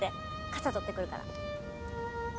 傘取ってくるから。